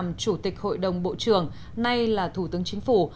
đồng chí đảm nhiệm trọng trách làm chủ tịch hội đồng bộ trưởng nay là thủ tướng chính phủ